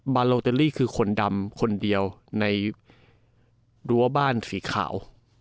โลเตอรี่คือคนดำคนเดียวในรั้วบ้านสีขาว